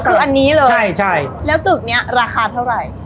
คืออันนี้เลยใช่ใช่แล้วตึกนี้ราคาเท่าไหร่